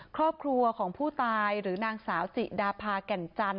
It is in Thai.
ครอบครัวของผู้ตายหรือนางสาวจิดาพาแก่นจันท